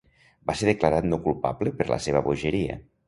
Va ser declarat no culpable per la seva bogeria.